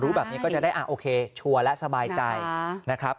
พอรู้แบบนี้ก็จะได้โอเคชัวร์และสบายใจ